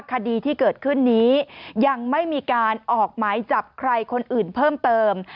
คดีที่เกิดขึ้นนี้ยังไม่มีการออกหมายจับใครคนอื่นเพิ่มเติม